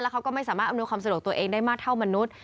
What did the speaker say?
เขาก็ไม่สามารถอำนวยความสะดวกตัวเองได้มากเท่ามนุษย์